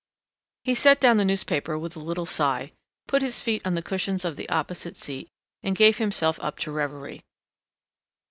He set down the newspaper with a little sigh, put his feet on the cushions of the opposite seat and gave himself up to reverie.